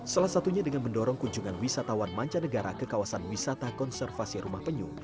salah satunya dengan mendorong kunjungan wisatawan mancanegara ke kawasan wisata konservasi rumah penyu